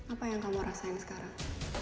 apa yang kamu rasain sekarang